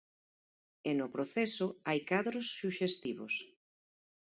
E no proceso, hai cadros suxestivos.